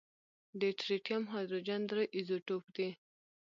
د ټریټیم هایدروجن درې ایزوټوپ دی.